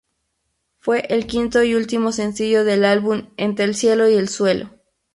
Fue el quinto y último sencillo del álbum "Entre el cielo y el suelo".